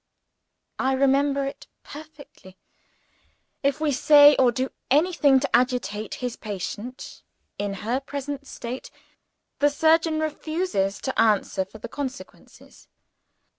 "I remember it perfectly. If we say or do anything to agitate his patient, in her present state, the surgeon refuses to answer for the consequences."